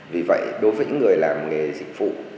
vì vậy đối với những người làm nghề dịch vụ